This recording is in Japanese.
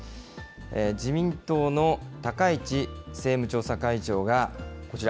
自民党の高市政務調査会長がこちら。